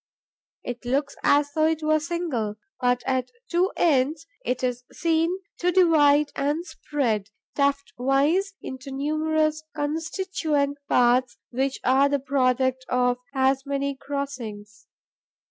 It looks as though it were single, but, at the two ends, it is seen to divide and spread, tuft wise, into numerous constituent parts, which are the product of as many crossings.